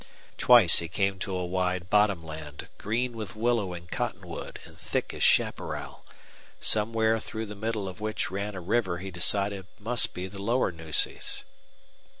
Twice he came to a wide bottom land green with willow and cottonwood and thick as chaparral, somewhere through the middle of which ran a river he decided must be the lower Nueces.